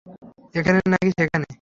এখানে নাকি সেখানে?